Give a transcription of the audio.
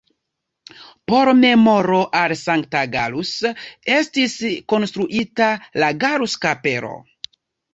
Por memoro al Sankta Gallus estis konstruita la Gallus-Kapelo.